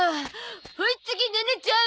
はい次ネネちゃん。